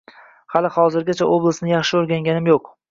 — Hali-hozircha, oblastni yaxshi o‘rganganim yo‘q.